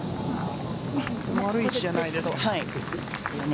悪い位置じゃないです。